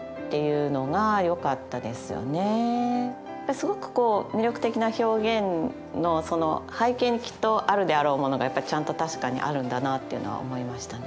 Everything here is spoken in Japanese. すごくこう魅力的な表現の背景にきっとあるであろうものがちゃんと確かにあるんだなっていうのは思いましたね。